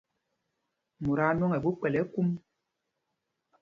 Mot aa nwɔŋ ɛ ɓu kpɛl ɛkúm.